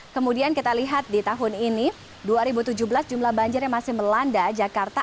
kemudian kita lihat di tahun ini dua ribu tujuh belas jumlah banjir yang masih melanda jakarta